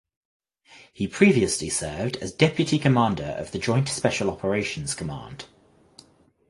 He previously served as deputy commander of the Joint Special Operations Command.